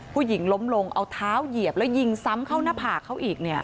ผู้หญิงล้มลงเอาเท้าเหยียบแล้วยิงซ้ำเข้าหน้าผากเขาอีกเนี่ย